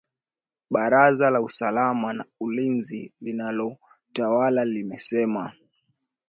Baraza la usalama na ulinzi linalotawala limesema